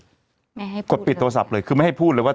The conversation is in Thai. ไม่ให้กดปิดโทรศัพท์เลยคือไม่ให้พูดเลยว่า